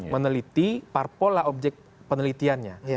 meneliti parpol lah objek penelitiannya